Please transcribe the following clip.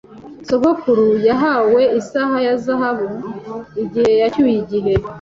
Sogokuru yahawe isaha ya zahabu igihe yacyuye igihe.